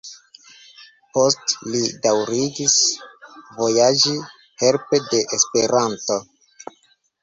Poste li daŭrigis vojaĝi helpe de Esperanto.